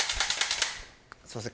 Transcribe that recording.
すみません